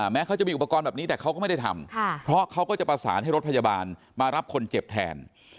เขาจะมีอุปกรณ์แบบนี้แต่เขาก็ไม่ได้ทำเพราะเขาก็จะประสานให้รถพยาบาลมารับคนเจ็บแทน